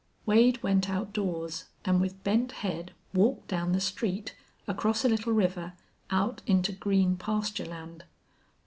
Wade went outdoors, and with bent head walked down the street, across a little river, out into green pasture land.